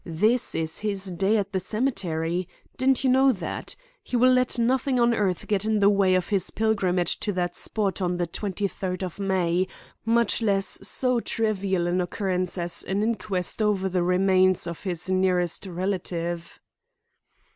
This is his day at the cemetery. Didn't you know that? He will let nothing on earth get in the way of his pilgrimage to that spot on the twenty third of May, much less so trivial an occurrence as an inquest over the remains of his nearest relative."